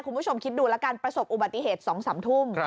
คุณผู้ชมคิดดูแล้วกันประสบอุบัติเหตุ๒๓ทุ่ม